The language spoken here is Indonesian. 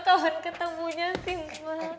kawan ketemunya sih